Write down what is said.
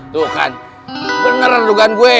tuh kan bener rugaan gue